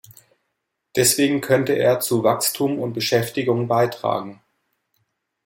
Deswegen könnte er zu Wachstum und Beschäftigung beitragen.